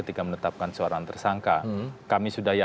itu semisal amputasi berat